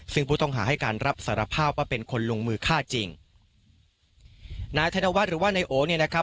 ซึ่งผู้ต้องหาให้การรับสารภาพว่าเป็นคนลงมือฆ่าจริงนายธนวัฒน์หรือว่านายโอเนี่ยนะครับ